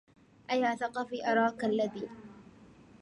أيا ثقفي أراك الذي